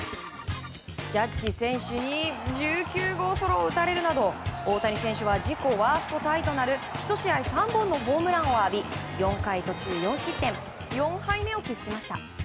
ジャッジ選手に１９号ソロを打たれるなど大谷選手は自己ワーストタイとなる１試合３本のホームランを浴び４回途中４失点４敗目を喫しました。